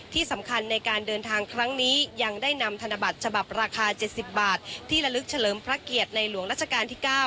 ที่สำคัญในการเดินทางครั้งนี้ยังได้นำธนบัตรฉบับราคา๗๐บาทที่ระลึกเฉลิมพระเกียรติในหลวงราชการที่๙